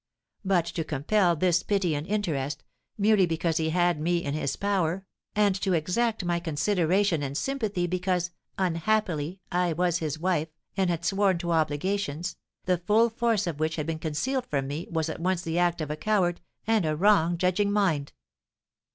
But to compel this pity and interest, merely because he had me in his power, and to exact my consideration and sympathy, because, unhappily, I was his wife, and had sworn to obligations, the full force of which had been concealed from me, was at once the act of a coward and a wrong judging mind.